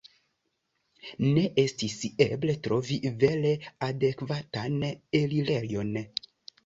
Ne estis eble trovi vere adekvatan elirejon.